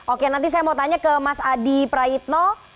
oke nanti saya mau tanya ke mas adi praitno